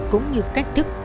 cũng như cách thức